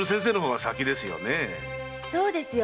そうですよ